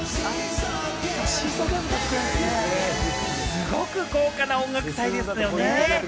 すごく豪華な音楽祭ですよね。